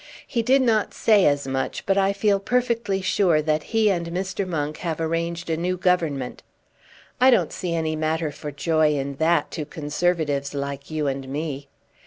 "He did not say as much, but I feel perfectly sure that he and Mr. Monk have arranged a new government." "I don't see any matter for joy in that to Conservatives like you and me."